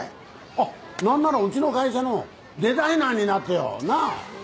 あっ何ならうちの会社のデザイナーになってよなぁ！